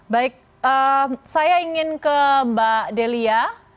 baik saya ingin ke mbak delia